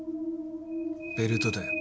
ベルトだよ。